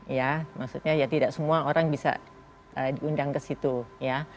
ya maksudnya ya tidak semua orang bisa diundang ke situ ya